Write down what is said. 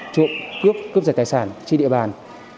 trộm cướp cướp giật tài sản trên địa bàn